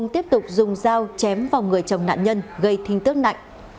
tiếp tục dùng dao chém vào người chồng nạn nhân gây thinh tước nặng